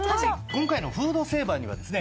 今回のフードセーバーにはですね